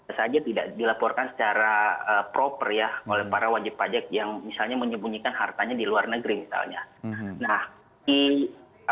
tentu saja tidak dilaporkan secara proper ya oleh para wajib pajak yang misalnya menyembunyikan hartanya di luar negeri misalnya nah